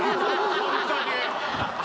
ホントに。